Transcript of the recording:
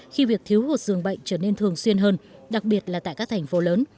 khi việc thiếu hụt dường bệnh trở nên thường xuyên hơn đặc biệt là tại các thành phố lớn